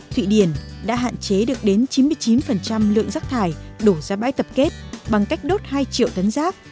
thụy điển đã hạn chế được đến chín mươi chín lượng rác thải đổ ra bãi tập kết bằng cách đốt hai triệu tấn rác